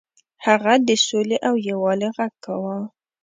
هغه د سولې او یووالي غږ کاوه.